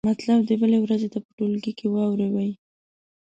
مطلب دې بلې ورځې ته په ټولګي کې واورئ.